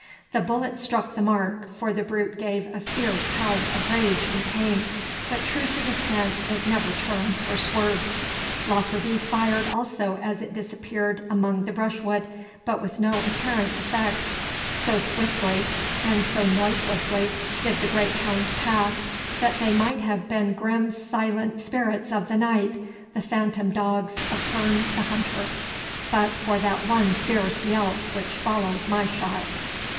The bullet struck the mark, for the brute gave a fierce howl of rage and pain, but true to the scent it never turned or swerved. Lockarby fired also as it disappeared among the brushwood, but with no apparent effect. So swiftly and so noiselessly did the great hounds pass, that they might have been grim silent spirits of the night, the phantom dogs of Herne the hunter, but for that one fierce yelp which followed my shot.